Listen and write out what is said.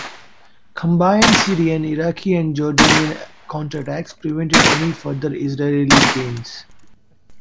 Combined Syrian, Iraqi and Jordanian counterattacks prevented any further Israeli gains.